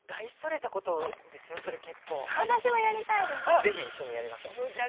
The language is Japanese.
あら？是非一緒にやりましょう。